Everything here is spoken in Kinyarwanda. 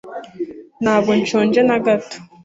Ntabwo nshonje na gato.